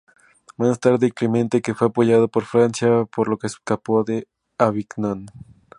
Más tarde, Clemente, que fue apoyado por Francia, por lo que escapó a Avignon.